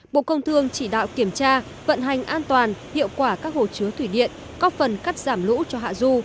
bộ công thương chỉ đạo kiểm tra vận hành an toàn hiệu quả các hồ chứa thủy điện có phần cắt giảm lũ cho hạ du